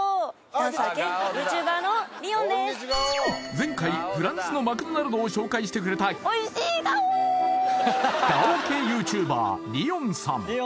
前回フランスのマクドナルドを紹介してくれたガオー系ＹｏｕＴｕｂｅｒりおんさん